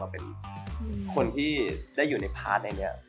เราเป็นคนที่อยู่ในพาสไหนเนี่ย